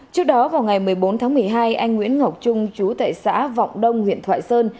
trước đó vào ngày một mươi bốn tháng một mươi hai anh nguyễn ngọc trung chú tại xã vọng đông huyện thoại sơn